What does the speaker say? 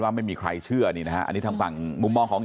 ไม่มีใครเชื่อนี่นะฮะอันนี้ทางฝั่งมุมมองของ